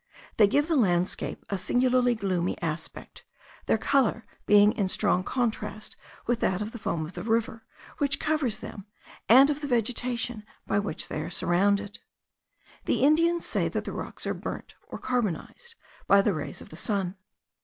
They give the landscape a singularly gloomy aspect; their colour being in strong contrast with that of the foam of the river which covers them, and of the vegetation by which they are surrounded. The Indians say, that the rocks are burnt (or carbonized) by the rays of the sun.